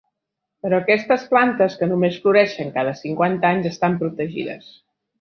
Però aquestes plantes que només floreixen cada cinquanta anys estan protegides.